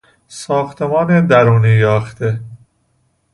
ساختمان درونی یاخته